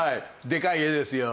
でかい絵ですよ。